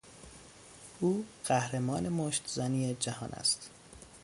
او قهرمان مشتزنی جهان است.